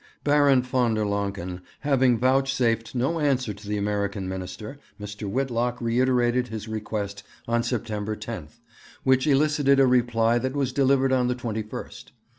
Baron von der Lancken having vouchsafed no answer to the American Minister, Mr. Whitlock reiterated his request on September 10, which elicited a reply that was delivered on the 21st.